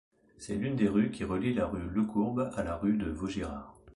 C'est l'une des rues qui relie la rue Lecourbe à la rue de Vaugirard.